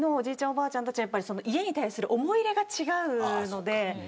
おばあちゃんたちは家に対する思い入れが違うので。